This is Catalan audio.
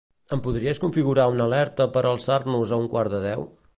Em podries configurar una alerta per alçar-nos a un quart de deu?